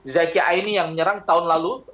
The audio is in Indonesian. zaki aini yang menyerang tahun lalu